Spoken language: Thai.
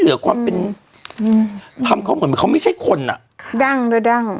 เหลือความเป็นอืมทำเขาเหมือนเขาไม่ใช่คนอ่ะดั้งด้วยดั้ง